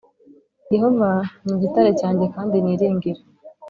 Yehova ni igitare cyanjye kandi niringira